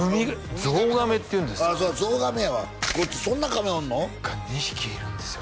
ゾウガメっていうんですかゾウガメやわごっつそんなカメおんの？が２匹いるんですよ